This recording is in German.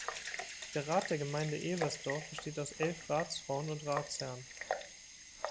Der Rat der Gemeinde Ebersdorf besteht aus elf Ratsfrauen und Ratsherren.